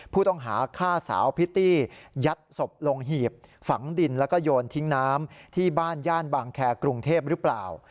ผู้ต้องหาฆ่าสาวพิตตี้ยัดศพลงหีบฝังดินแล้วก็โยนทิ้งน้ำที่บ้านย่านบางแครกรุงเทพหรือเปล่า